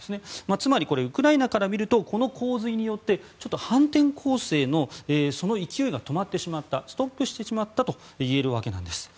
つまり、ウクライナから見るとこの洪水によって反転攻勢の勢いが止まってしまったストップしてしまったといえるわけなんです。